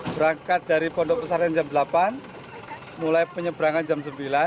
berangkat dari pondok pesantren jam delapan mulai penyeberangan jam sembilan